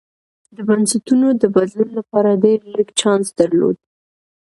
د بنسټونو د بدلون لپاره ډېر لږ چانس درلود.